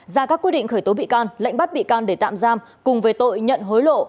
ra các quy định khởi tố bị can lệnh bắt bị can để tạm giam cùng về tội nhận hối lộ